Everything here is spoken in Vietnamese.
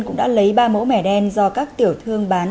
cũng đã lấy ba mẫu mẻ đen do các tiểu thương bán